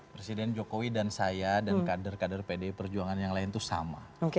presiden jokowi dan saya dan kader kader pdi perjuangan yang lain itu sama